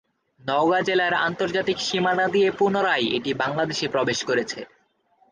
নওগাঁ জেলার আন্তর্জাতিক সীমানা দিয়ে পুনরায় এটি বাংলাদেশে প্রবেশ করেছে।